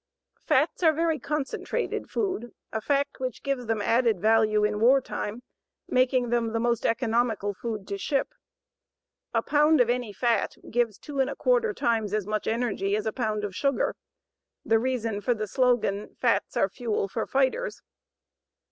Fats are very concentrated food, a fact which gives them added value in war time, making them the most economical food to ship. A POUND OF ANY FAT GIVES 2¼ TIMES AS MUCH ENERGY AS A POUND OF SUGAR the reason for the slogan "Fats Are Fuel for Fighters."